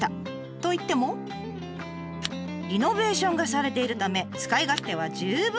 といってもリノベーションがされているため使い勝手は十分。